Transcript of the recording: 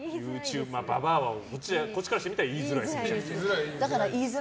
ババアはこっちからしたら言いづらいです。